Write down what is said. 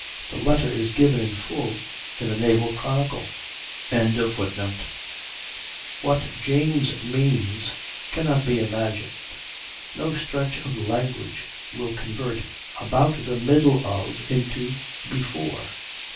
The letter is given in full in the "Naval Chronicle."] What James means cannot be imagined; no stretch of language will convert "about the middle of" into "before."